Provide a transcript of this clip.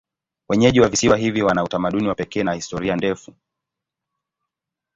Wenyeji wa visiwa hivi wana utamaduni wa pekee na historia ndefu.